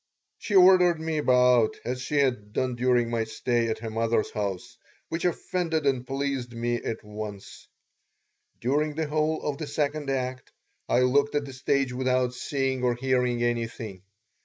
She ordered me about as she had done during my stay at her mother's house, which offended and pleased me at once. During the whole of the second act I looked at the stage without seeing or hearing anything.